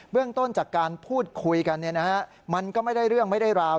เรื่องต้นจากการพูดคุยกันมันก็ไม่ได้เรื่องไม่ได้ราว